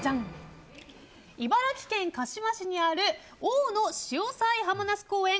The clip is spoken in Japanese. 茨城県鹿嶋市にある大野潮騒はまなす公園